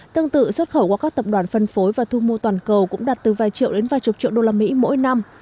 tương tự xuất khẩu qua các tập đoàn phân phối và thu mua toàn cầu cũng đạt từ vài triệu đến vài chục triệu đô la mỹ mỗi năm